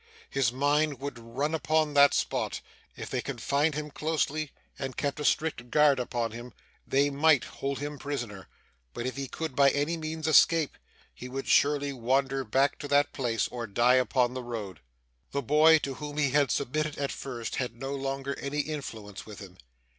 His mind would run upon that spot. If they confined him closely, and kept a strict guard upon him, they might hold him prisoner, but if he could by any means escape, he would surely wander back to that place, or die upon the road. The boy, to whom he had submitted at first, had no longer any influence with him.